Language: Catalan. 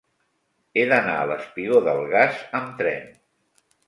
He d'anar al espigó del Gas amb tren.